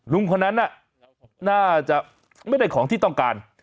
ลุงคนนั้นน่ะน่าจะไม่ได้ของที่ต้องการ